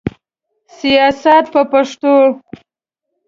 سیاست په پښتو.